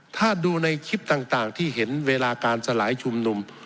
ถ้าดูในคลิปต่างที่เห็นเวลาการสลายชุมนุม